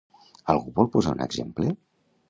Algú vol posar un exemple?